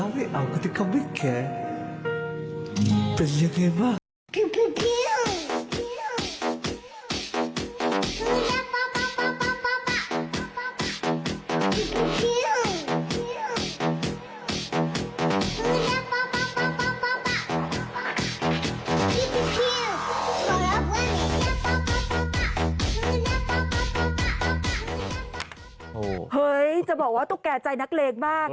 ว่าตรงหี้จะบอกว่าตุ๊กแกใจหนักเลงมาก